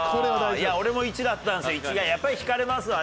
俺も１だったんですよ。